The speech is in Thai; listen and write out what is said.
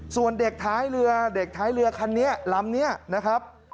ส่วนเด็กท้ายเรือเด็กท้ายเรือคันนี้ลำนี้นะครับ